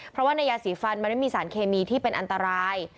เพราะว่าในยาสีฟันมันไม่มีสารเคมีที่เป็นอันตราย